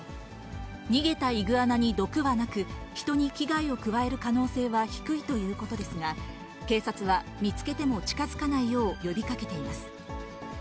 逃げたイグアナに毒はなく、人に危害を加える可能性は低いということですが、警察は見つけても近づかないよう呼びかけています。